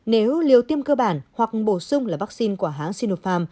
nếu liêu tiêm cơ bản hoặc bổ sung là vắc xin của hãng sinopharm